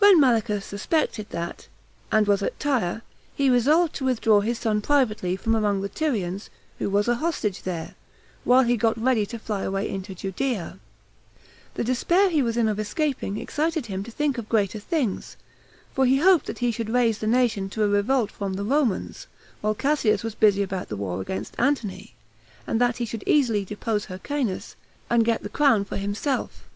When Malichus suspected that, and was at Tyre, he resolved to withdraw his son privately from among the Tyrians, who was a hostage there, while he got ready to fly away into Judea; the despair he was in of escaping excited him to think of greater things; for he hoped that he should raise the nation to a revolt from the Romans, while Cassius was busy about the war against Antony, and that he should easily depose Hyrcanus, and get the crown for himself.